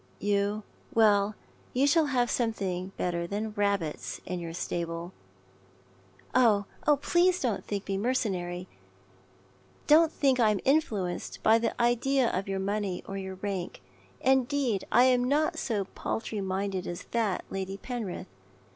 You — well, you shall have something better than rabbits in your stable." "Oh, please, please don't think me mercenary; don't think that I am influenced by the idea of your money or your rank. Indeed, I am not so paltry minded as that, Lady Penrith.